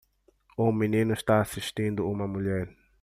Um menino está assistindo uma mulher.